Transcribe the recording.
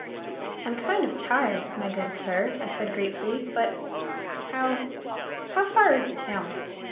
"I'm kind of tired, my good sir," I said gratefully, "but how how far is the town."